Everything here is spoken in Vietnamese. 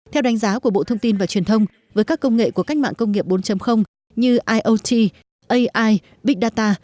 theo đánh giá của bộ thông tin và truyền thông với các công nghệ của cách mạng công nghiệp bốn như iot ai big data